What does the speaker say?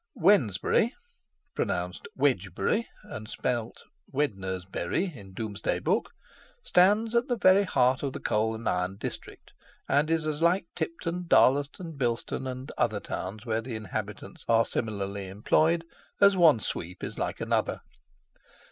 WEDNESBURY, pronounced Wedgebury, and spelt Wednesberie in Domesday Book, stands in the very heart of the coal and iron district, and is as like Tipton, Darlaston, Bilston, and other towns where the inhabitants are similarly employed, as one sweep is like another.